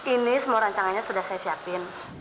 ini semua rancangannya sudah saya siapin